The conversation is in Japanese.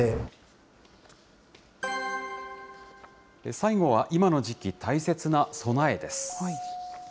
最後は、今の時期、大切な備えです。